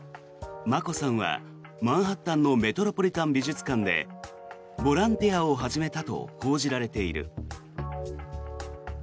眞子さんはマンハッタンのメトロポリタン美術館でボランティアを始めたと報じられている。